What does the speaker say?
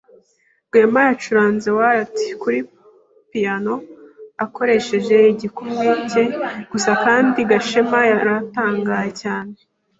Rwema yacuranze waltz kuri piyano akoresheje igikumwe cye gusa kandi Gashema yaratangaye cyane.